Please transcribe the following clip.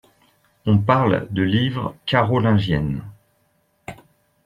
On parle de livre carolingienne.